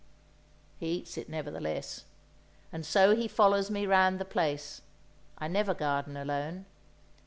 He eats it nevertheless. And so he follows me round the place; I never garden alone.